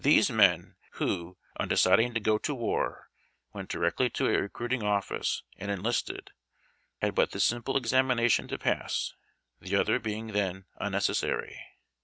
Those men who, on deciding to "go to war," went directly to a recruiting office and enlisted, had but this simple examina tion to pass, the other being then unnecessary.